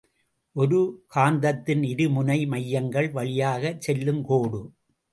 ஒரு காந்தத்தின் இரு முனை மையங்கள் வழியாகச் செல்லுங் கோடு.